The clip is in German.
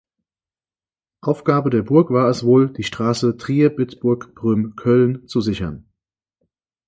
Aufgabe der Burg war es wohl, die Straße Trier-Bitburg-Prüm-Köln zu sichern.